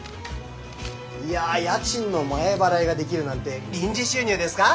いや家賃の前払いができるなんて臨時収入ですか？